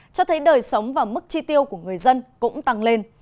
cho thấy đời sống và mức chi tiêu của người dân cũng tăng lên